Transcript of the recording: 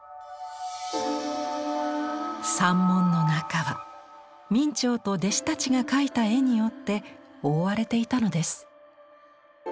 三門の中は明兆と弟子たちが描いた絵によって覆われていたのです。